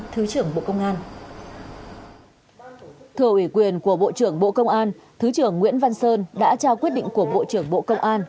thưa ủy quyền của bộ trưởng bộ công an thứ trưởng nguyễn văn sơn đã trao quyết định của bộ trưởng bộ công an